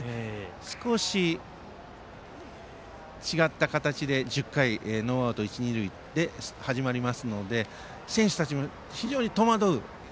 少し違った形で１０回、ノーアウト一、二塁で始まりますので選手たちも非常に戸惑う。